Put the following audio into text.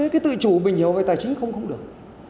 cái tự chủ bình hiểu về tài chính không cũng được